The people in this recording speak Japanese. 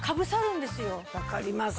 分かります。